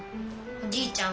おじいちゃん